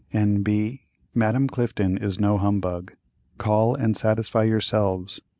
N.B.—Madame Clifton is no humbug. Call and satisfy yourselves.